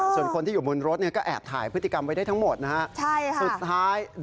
ส่วนคนที่อยู่บนรถก็แอบถ่ายพฤติกรรมไว้ได้ทั้งหมดนะฮะ